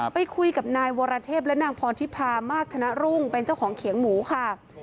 ไปคุยกับนายวรเทพและนางพรทิพามากธนรุ่งเป็นเจ้าของเขียงหมูค่ะ